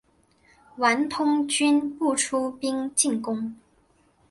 王通均不出兵进攻。